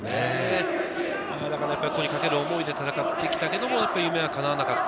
ここにかける思い、戦ってきたけども夢はかなわなかった。